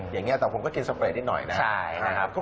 อย่างนี้แต่ผมก็กินสเปรตนิดหน่อยนะครับ